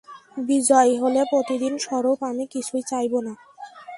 বিজয় হলে প্রতিদান স্বরূপ আমি কিছুই চাইব না।